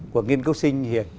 của nghiên cứu sinh